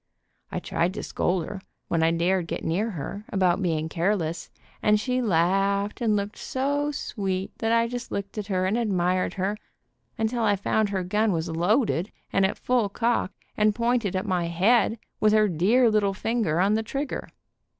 I tried to scold her, when I dared get near her, about being careless, and she laughed, and looked so sweet that I just looked at her and ad mired her, until I found her gun was loaded and at full cock, and pointed at my head, with her dear little finger on the trigger.